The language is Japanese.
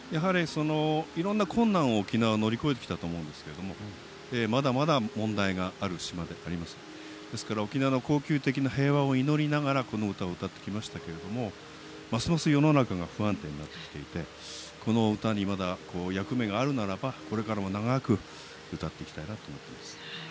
いろんな困難を沖縄、乗り越えてきたと思うんですけどまだまだ問題はあると思いますし沖縄の恒久的な平和を祈りながらこの歌を歌ってきましたがますます世の中が不安定になってきていてこの歌にまだ役目があるならばこれからも長く歌っていきたいなと思っています。